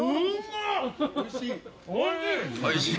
おいしい！